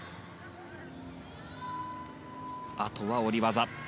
あとは下り技。